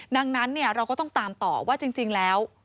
ดังนั้นเราก็ต้องตามต่อว่าจริงแล้ว